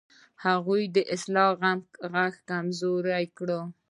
هغوی د اصلاح غږ کمزوری کړ.